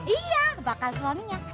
iya bakal suaminya